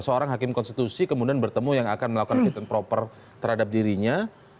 seorang hakim konstitusi kemudian bertemu yang akan melakukan kebenaran terhadap dirinya